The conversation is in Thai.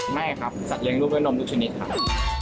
ไม่ครับสัตว์เลี้ยงรู้เมื่อยู๊คนมทุกชนิดครับ